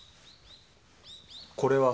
これは？